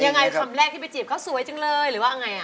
ยังไงคำแรกที่ไปจีบเขาสวยจังเลยหรือว่ายังไง